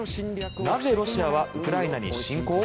なぜ、ロシアはウクライナに侵攻？